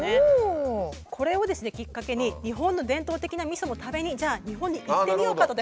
これをですねきっかけに日本の伝統的なみそも食べにじゃあ日本に行ってみようかと。